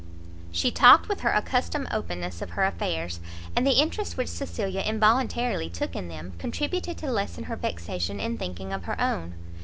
She talked with her accustomed openness of her affairs, and the interest which Cecilia involuntarily took in them, contributed to lessen her vexation in thinking of her own.